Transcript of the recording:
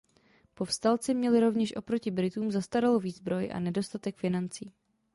Povstalci měli rovněž oproti Britům zastaralou výzbroj a nedostatek financí.